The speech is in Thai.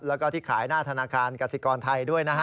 แล้วก็ที่ขายหน้าธนาคารกสิกรไทยด้วยนะฮะ